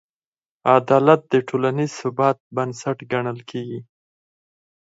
عدالت د ټولنیز ثبات بنسټ ګڼل کېږي.